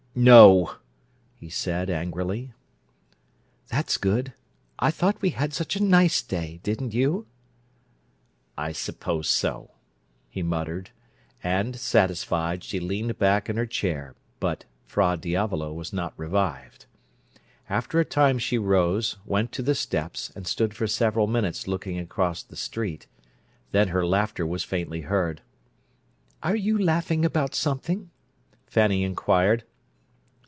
"No!" he said angrily. "That's good. I thought we had such a nice day, didn't you?" "I suppose so," he muttered, and, satisfied, she leaned back in her chair; but "Fra Diavolo" was not revived. After a time she rose, went to the steps, and stood for several minutes looking across the street. Then her laughter was faintly heard. "Are you laughing about something?" Fanny inquired.